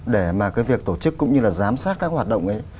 để mà cái việc tổ chức cũng như là giám sát các hoạt động ấy